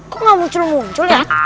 kok gak muncul muncul ya